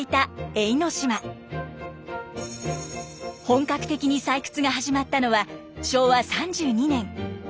本格的に採掘が始まったのは昭和３２年。